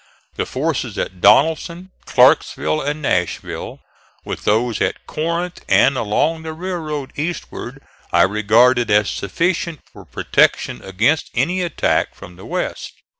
The forces at Donelson, Clarksville and Nashville, with those at Corinth and along the railroad eastward, I regarded as sufficient for protection against any attack from the west.